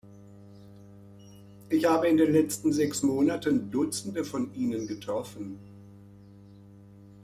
Ich habe in den letzten sechs Monaten Dutzende von ihnen getroffen.